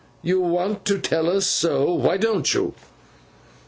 You want to tell us so. Why don't you?